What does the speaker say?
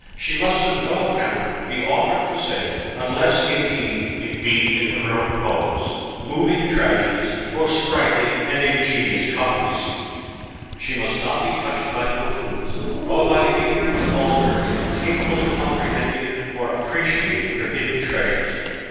She must on no account be offered for sale, unless, indeed, it be in heroic poems, moving tragedies, or sprightly and ingenious comedies. She must not be touched by the buffoons, nor by the ignorant vulgar, incapable of comprehending or appreciating her hidden treasures.